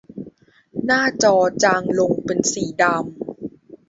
หน้าจอจางลงเป็นสีดำ